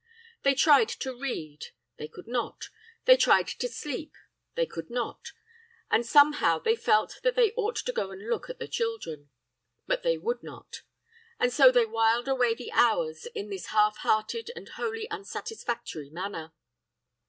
"They tried to read they could not; they tried to sleep they could not: and somehow they felt that they ought to go and look at the children but they would not; and so they whiled away the hours in this half hearted and wholly unsatisfactory manner.